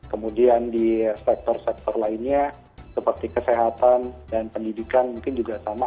kemudian di sektor sektor lainnya seperti kesehatan dan pendidikan mungkin juga sama